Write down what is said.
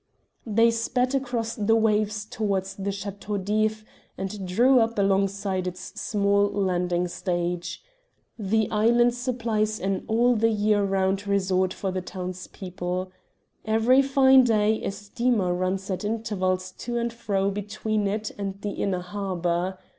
They sped across the waves towards the Chateau d'If, and drew up alongside its small landing stage. The island supplies an all the year round resort for the townspeople. Every fine day a steamer runs at intervals to and fro between it and the inner harbour.